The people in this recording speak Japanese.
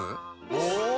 お！